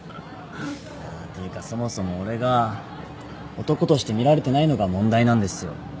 あていうかそもそも俺が男として見られてないのが問題なんですよ。